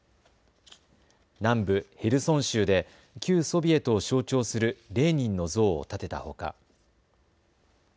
南部ヘルソン州で旧ソビエトを象徴するレーニンの像を建てたほか。